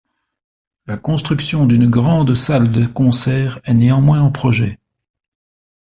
La construction d'une grande salle de concert est néanmoins en projet.